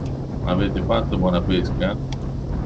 Avete fatto buona pesca?